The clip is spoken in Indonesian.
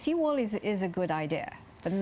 kita harus memastikan